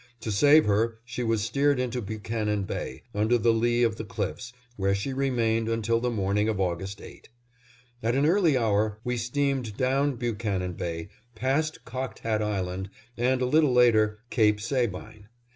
To save her, she was steered into Buchanan Bay, under the lee of the cliffs, where she remained until the morning of August 8. At an early hour, we steamed down Buchanan Bay, passed Cocked Hat Island, and a little later, Cape Sabine.